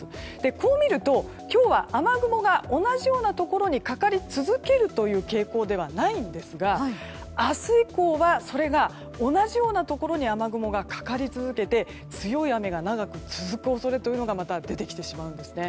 こう見ると、今日は雨雲が同じようなところにかかり続けるという傾向ではないんですが明日以降は、それが同じようなところに雨雲がかかり続けて強い雨が長く続く恐れというのがまた出てきてしまうんですね。